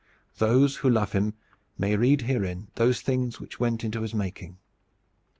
Those who love him may read herein those things which went to his making.